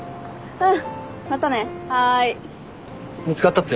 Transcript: うん。